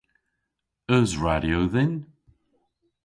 Eus radyo dhyn?